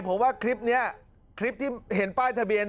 ผมว่าคลิปนี้คลิปที่เห็นป้ายทะเบียน